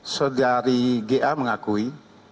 saudari ga mengakui